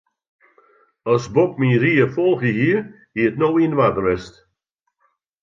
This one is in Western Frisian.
As Bob myn ried folge hie, hie it no yn oarder west.